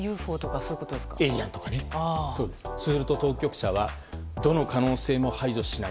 そうすると当局者はどの可能性も排除しない。